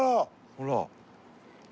ほら。